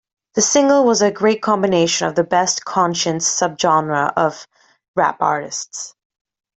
The single was a great combination of the best "Conscience" subgenre of rap artists.